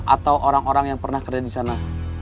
atau orang orang yang pernah kerja di sana